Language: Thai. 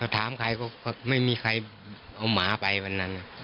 ถามใครก็ไม่มีใครเอาหมาไปวันนั้น